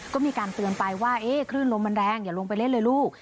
ก็มีการเตือนไปว่าคลื่นลมมันแรงอย่าลงไปเล่นเลยลูก